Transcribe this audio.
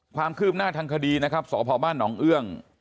ความคืบหน้าทางคดีนะครับสพบ้านหนองเอื้อง